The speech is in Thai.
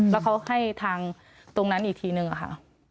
แล้วเขาให้ทางตรงนั้นอีกทีนึงอะค่ะ